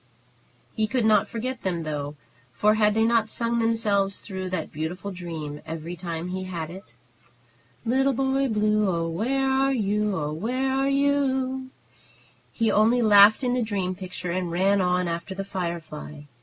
He could not forget them, though, for had they not sung themselves through that beautiful dream every time he had it? "Little Boy Blue, oh, where are you? O, where are you u u u?" He only laughed in the dream picture and ran on after the firefly.